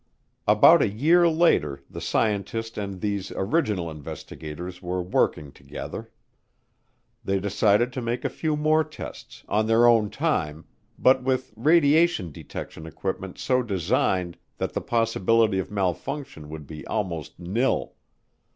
About a year later the scientist and these original investigators were working together. They decided to make a few more tests, on their own time, but with radiation detection equipment so designed that the possibility of malfunction would be almost nil.